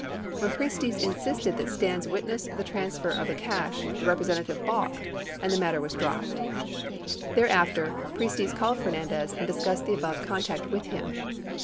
When Priestes insisted that Stans witness the transfer of the cash, the representative balked, and the matter was dropped. 96 Thereafter, Priestes called Fernandez and discussed the above contact with him.